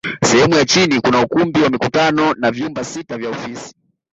Sehemu ya chini kuna ukumbi wa mikutano na vyumba sita vya ofisi